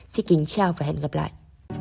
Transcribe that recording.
xin kính chào và hẹn gặp lại